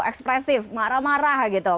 ekspresif marah marah gitu